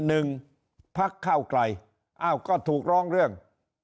หนึ่งพักเก้าไกลอ้าวก็ถูกร้องเรื่อง